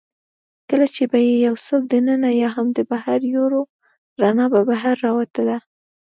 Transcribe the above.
کله چي به يې یوڅوک دننه یا هم بهر یووړ، رڼا به بهر راوتل.